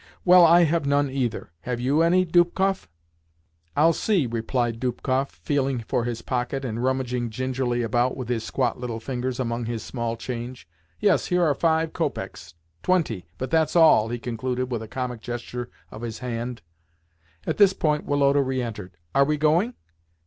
"Well, I have none, either. Have you any, Dubkoff?" "I'll see," replied Dubkoff, feeling for his pocket, and rummaging gingerly about with his squat little fingers among his small change. "Yes, here are five copecks twenty, but that's all," he concluded with a comic gesture of his hand. At this point Woloda re entered. "Are we going?"